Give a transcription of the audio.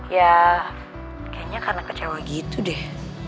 ya kayaknya karena kecewa gitu deh